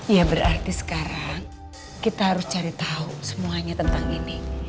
ya berarti sekarang kita harus cari tahu semuanya tentang ini